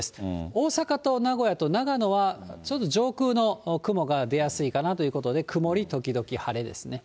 大阪と名古屋と長野はちょっと上空の雲が出やすいかなということで、曇り時々晴れですね。